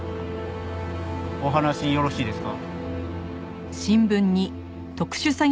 お話よろしいですか？